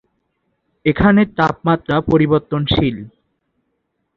এখানে তাপমাত্রা পরিবর্তিনশীল।